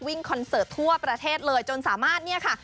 คอนเสิร์ตทั่วประเทศเลยจนสามารถเนี่ยค่ะ